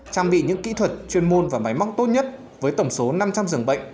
trang bị những kỹ thuật chuyên môn và máy móc tốt nhất với tổng số năm trăm linh dường bệnh